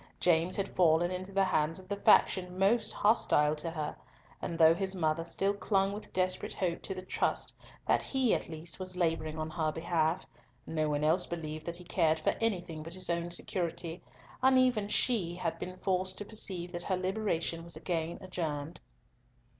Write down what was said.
James had fallen into the hands of the faction most hostile to her, and though his mother still clung with desperate hope to the trust that he, at least, was labouring on her behalf, no one else believed that he cared for anything but his own security, and even she had been forced to perceive that her liberation was again adjourned.